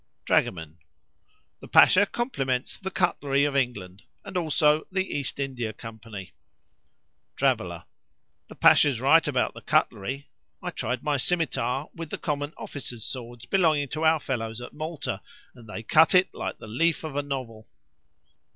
Dragoman.—The Pasha compliments the cutlery of England, and also the East India Company. Traveller.—The Pasha's right about the cutlery (I tried my scimitar with the common officers' swords belonging to our fellows at Malta, and they cut it like the leaf of a novel).